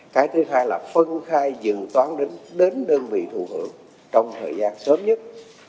cái thứ hai là phân khai dự toán đến đơn vị thù hưởng trong thời gian sớm nhất